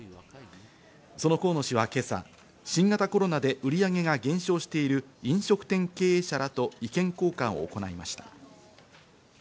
その河野氏は今朝、新型コロナで売り上げが減少している飲食店経営者らと意見交換を行いました。